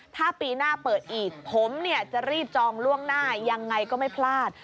ถ้าปีหน้าเปิดอีกผมเนี่ยจะรีบจองล่วงหน้ายังไงก็ไม่พลาด